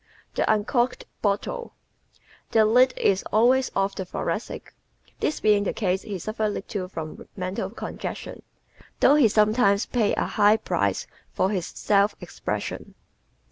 The Uncorked Bottle ¶ The "lid" is always off of the Thoracic. This being the case he suffers little from "mental congestion" though he sometimes pays a high price for his self expression.